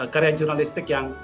karya jurnalistik yang